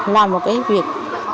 làm một cái việc